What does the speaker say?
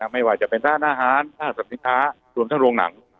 ไม่ว่าจะเป็นร้านอาหารห้างสรรพสินค้ารวมทั้งโรงหนัง